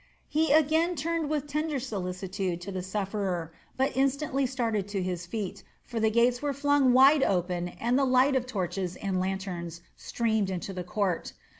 He again turned with tender solicitude to the sufferer, but instantly started to his feet, for the gates were flung wide open and the light of torches and lanterns streamed into the court.